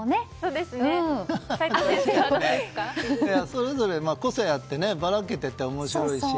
それぞれ個性があってばらけてて面白いし。